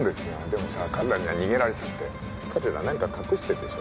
もさ彼らには逃げられちゃって彼ら何か隠してるでしょ